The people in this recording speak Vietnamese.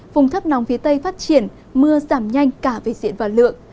vùng thấp nóng phía tây phát triển mưa giảm nhanh cả về diện và lượng